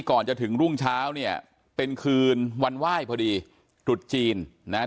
ก่อนจะถึงรุ่งเช้าเนี่ยเป็นคืนวันไหว้พอดีตรุษจีนนะฮะ